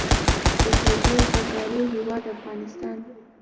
د خوږو زردالو هیواد افغانستان.